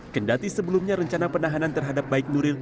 kendati sebelumnya rencana penahanan terhadap baik nuril